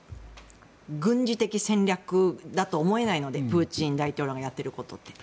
軍事的戦略だと思えないのでプーチン大統領のやっていることって。